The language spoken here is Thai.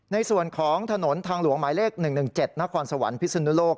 ในส่วนของถนนทางหลวงหมายเลข๑๑๗นครสวรรค์พิศนุโลก